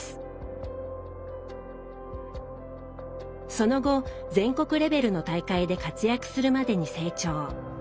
その後全国レベルの大会で活躍するまでに成長。